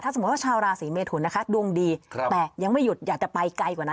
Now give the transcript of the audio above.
สมมุติว่าชาวราศีเมทุนนะคะดวงดีแต่ยังไม่หยุดอยากจะไปไกลกว่านั้น